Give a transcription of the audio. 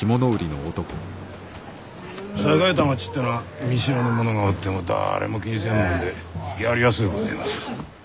栄えた街ってのぁ見知らぬ者がおっても誰も気にせんもんでやりやすうごぜえます。